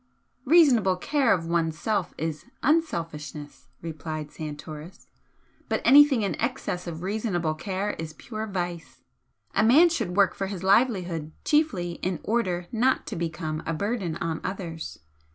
"Reasonable care of one's self is UNselfishness," replied Santoris "But anything in excess of reasonable care is pure vice. A man should work for his livelihood chiefly in order not to become a burden on others.